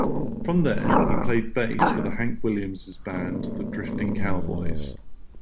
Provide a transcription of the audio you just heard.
From there, he played bass for Hank Williams' band The Drifting Cowboys.